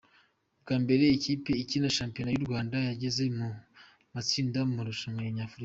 Bwa mbere ikipe ikina Shampiona y’u Rwanda yageze mu matsinda mu marushanwa nyafurika.